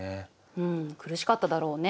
うん苦しかっただろうね。